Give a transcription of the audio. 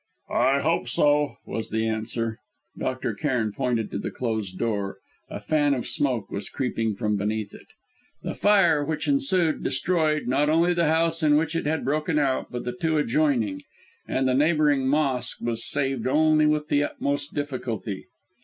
"I hope so!" was the answer. Dr. Cairn pointed to the closed door. A fan of smoke was creeping from beneath it. The fire which ensued destroyed, not only the house in which it had broken out, but the two adjoining; and the neighbouring mosque was saved only with the utmost difficulty.